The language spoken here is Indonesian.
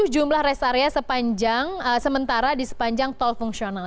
dua puluh tujuh jumlah rest area sementara di sepanjang tol fungsional